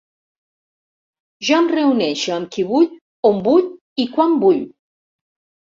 Jo em reuneixo amb qui vull, on vull i quan vull.